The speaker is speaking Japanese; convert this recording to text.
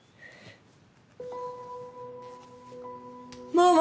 ママ！